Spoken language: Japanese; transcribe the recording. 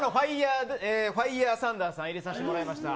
ファイヤーサンダーさんに入れさせてもらいました。